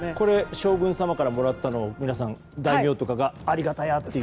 将軍様からもらったのを皆さん、大名とかがありがたやっていう。